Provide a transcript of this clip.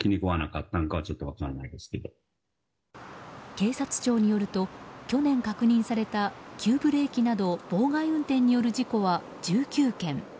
警察庁によると去年、確認された急ブレーキなど妨害運転による事故は１９件。